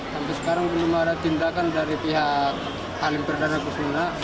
sampai sekarang belum ada tindakan dari pihak halim perdana kusuma